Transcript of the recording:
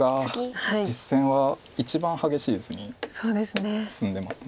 実戦は一番激しい図に進んでます。